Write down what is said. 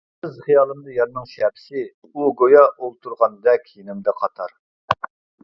ئۇنىڭسىز خىيالىمدا يارنىڭ شەپىسى ئۇ گويا ئولتۇرغاندەك يېنىمدا قاتار.